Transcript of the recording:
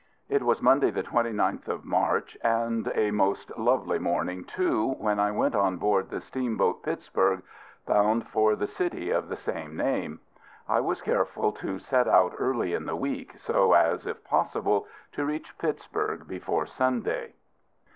It was Monday, the 29th of March, and a most lovely morning, too, when I went on board the steamboat Pittsburg, bound for the city of the same name. I was careful to set out early in the week, so as, if possible, to reach Pittsburg before Sunday.